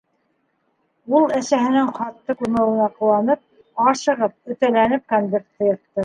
Ул, әсәһенең хатты күрмәүенә ҡыуанып, ашығып, өтәләнеп конвертты йыртты.